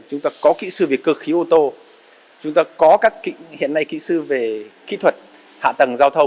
chúng ta có kỹ sư về cơ khí ô tô chúng ta có các hiện nay kỹ sư về kỹ thuật hạ tầng giao thông